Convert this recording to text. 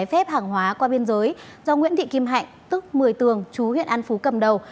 điện tử trái phép hạng hóa qua biên giới do nguyễn thị kim hạnh tức một mươi tường chú huyện an phú cầm đầu